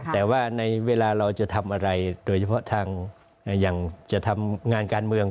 แต่ว่าในเวลาเราจะทำอะไรโดยเฉพาะทางอย่างจะทำงานการเมือง